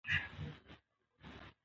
زموږ د ټولې شاعرۍ نارينه